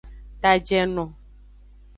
Tajeno.